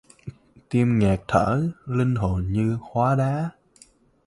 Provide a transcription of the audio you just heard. Tim nghẹt thở linh hồn như hóa đá